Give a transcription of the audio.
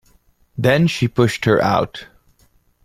Then she pushed her out.